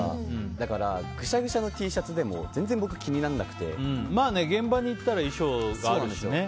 だから、ぐしゃぐしゃのＴシャツでも現場に行ったら衣装があるしね。